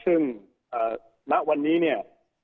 ซึ่งณวันนี้เนี่ย